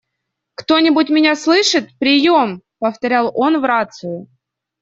«Кто-нибудь меня слышит? Приём!», - повторял он в рацию.